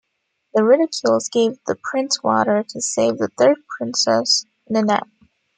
The "Ridicules" give the Prince water to save the third princess, Ninette.